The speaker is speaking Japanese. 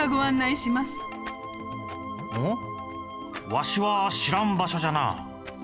わしは知らん場所じゃな。